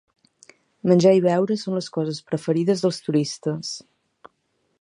Menjar i beure són les coses preferides dels turistes.